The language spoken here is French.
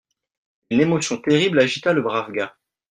Une émotion terrible agita le brave gars.